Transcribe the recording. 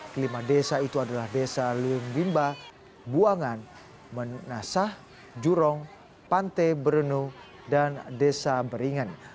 kelima desa itu adalah desa lumbimba buangan menasah jurong pantai berenu dan desa beringan